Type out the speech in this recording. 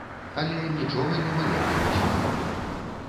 Але нічога не вылепліваць нанова.